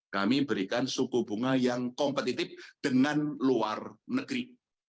kami berikan suku bunga yang kompetitif dengan luar negeri